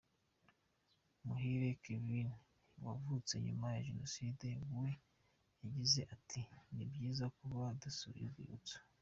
Muhire Kevin wavutse nyuma ya Jenoside we yagize ati ”Ni byiza kuba dusuye urwibutso.